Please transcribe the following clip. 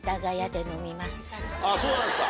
そうなんですか。